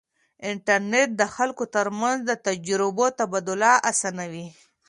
انټرنیټ د خلکو ترمنځ د تجربو تبادله اسانوي.